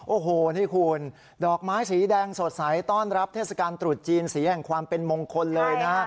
โอ้โหนี่คุณดอกไม้สีแดงสดใสต้อนรับเทศกาลตรุษจีนสีแห่งความเป็นมงคลเลยนะ